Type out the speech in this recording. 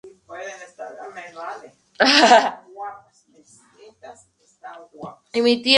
Craven trabaja para la construcción de iglesias de su padre construyendo iglesias.